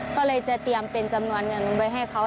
ก็เลยจะเตรียมเป็นจำนวนเงินไว้ให้เขา